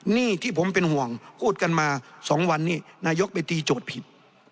นี่ที่ผมเป็นห่วงพูดกันมา๒วันนี้นายกไปตีโจทย์ผิด